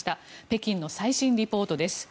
北京の最新リポートです。